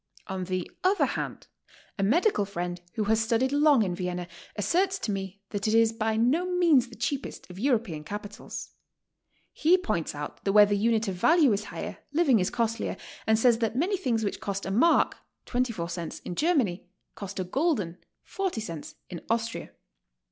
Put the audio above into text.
On the other hand a medical friend who has studied long in Vienna asserts to me that it is by no means the cheapest of European capitals. He points out that where the unit of value is higher, living is costlier, and says that many things which cost a mark (24 cents) in Germany cost a gulden (40 cents) in Austria.